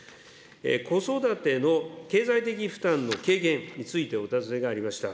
子育ての経済的負担の軽減についてお尋ねがありました。